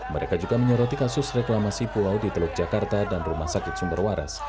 mereka juga menyoroti kasus reklamasi pulau di teluk jakarta dan rumah sakit sumber waras